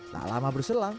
tak lama berselang